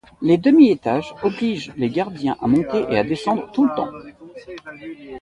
Les demi-étages obligent les gardiens à monter et à descendre tout le temps.